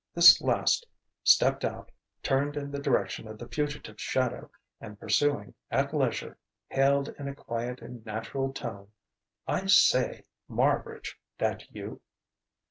This last stepped out, turned in the direction of the fugitive shadow, and pursuing at leisure, hailed in a quiet and natural tone: "I say Marbridge! that you?"